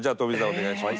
お願いします。